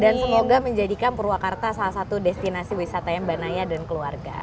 dan semoga menjadikan purwakarta salah satu destinasi wisataya mbak naya dan keluarga